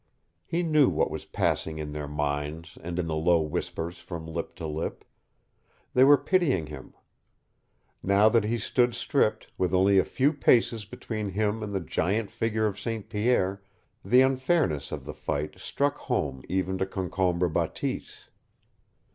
He knew what was passing in their minds and in the low whispers from lip to lip. They were pitying him. Now that he stood stripped, with only a few paces between him and the giant figure of St. Pierre, the unfairness of the fight struck home even to Concombre Bateese.